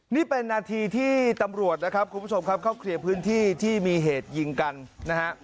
นี่เป็นนาทีที่ตำรวจนะครับคุณผู้ชมครับเข้าเคลียร์พื้นที่ที่มีเหตุยิงกันนะฮะ